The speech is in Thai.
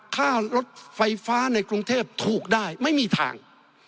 ค่ารถไฟฟ้าในกรุงเทพถูกได้ไม่มีทาง